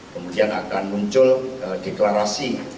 kemudian akan muncul deklarasi